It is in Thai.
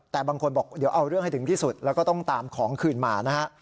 แต่บางคนบอกเดี๋ยวเอาเรื่องให้ถึงที่สุดแล้วก็ต้องตามของคืนมานะฮะ